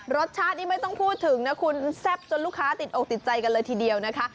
รสชาตินี่ไม่ต้องพูดถึงนะคุณแซ่บจนลูกค้าติดอกติดใจกันเลยทีเดียวนะคะ